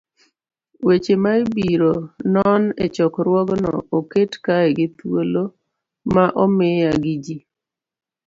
Weche ma ibiro non e chokruogno oket kae gi thuolo ma omiya gi ji